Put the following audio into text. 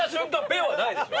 「ベッ！」はないでしょ。